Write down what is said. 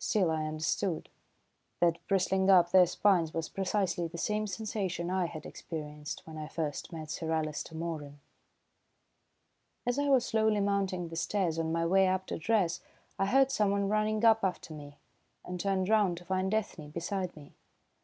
Still, I understood. That bristling up their spines was precisely the same sensation I had experienced when I first met Sir Alister Moeran. As I was slowly mounting the stairs on my way up to dress, I heard someone running up after me, and turned round to find Ethne beside me.